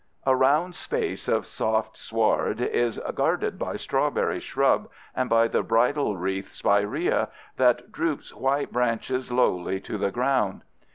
A round space of soft sward is guarded by strawberry shrub and by the bridal wreath spiræa that droops white branches lowly to the ground.